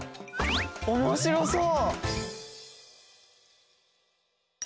おもしろそう！